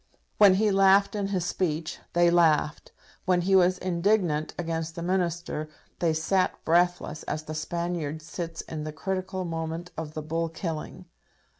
When he laughed in his speech, they laughed; when he was indignant against the Minister, they sat breathless, as the Spaniard sits in the critical moment of the bull killing.